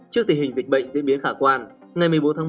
trước tình hình dịch bệnh diễn biến khả quan ngày một mươi bốn tháng một